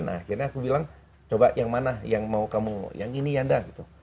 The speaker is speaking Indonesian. nah akhirnya aku bilang coba yang mana yang mau kamu yang ini yanda gitu